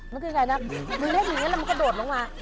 มึงเล่นอย่างนี้แล้วมันก็โดดลงมา